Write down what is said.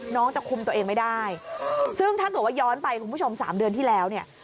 จะคุมตัวเองไม่ได้ซึ่งถ้าเกิดว่าย้อนไปคุณผู้ชมสามเดือนที่แล้วเนี่ย